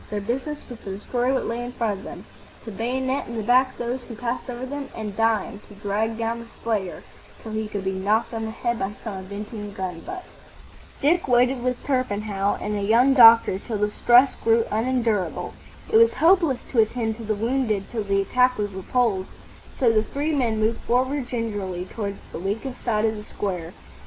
Their business was to destroy what lay in front of them, to bayonet in the back those who passed over them, and, dying, to drag down the slayer till he could be knocked on the head by some avenging gun butt. Dick waited with Torpenhow and a young doctor till the stress grew unendurable. It was hopeless to attend to the wounded till the attack was repulsed, so the three moved forward gingerly towards the weakest side of the square.